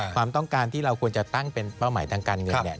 ความต้องการที่เราควรจะตั้งเป็นเป้าหมายทางการเงิน